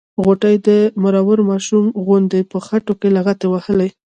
غوټۍ د مرور ماشوم غوندې په خټو کې لغتې وهلې.